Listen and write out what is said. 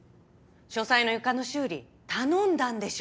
書斎の床の修理頼んだんでしょ？